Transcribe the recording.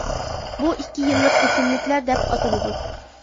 بۇ ئىككى يىللىق ئۆسۈملۈكلەر دەپ ئاتىلىدۇ.